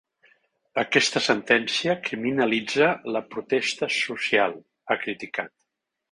Aquesta sentència criminalitza la protestes social, ha criticat.